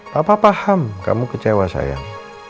papa paham kamu kecewa sayang